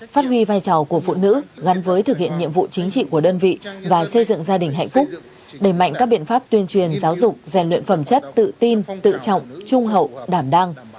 phát huy vai trò của phụ nữ gắn với thực hiện nhiệm vụ chính trị của đơn vị và xây dựng gia đình hạnh phúc đẩy mạnh các biện pháp tuyên truyền giáo dục rèn luyện phẩm chất tự tin tự trọng trung hậu đảm đang